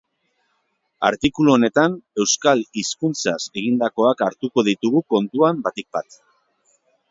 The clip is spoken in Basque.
Artikulu honetan, euskal hizkuntzaz egindakoak hartuko ditugu kontuan batik bat.